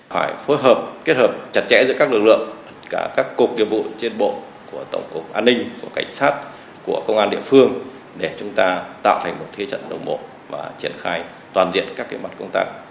phải phối hợp kết hợp chặt chẽ giữa các lực lượng cả các cục nghiệp vụ trên bộ của tổng cục an ninh của cảnh sát của công an địa phương để chúng ta tạo thành một thế trận đồng bộ và triển khai toàn diện các mặt công tác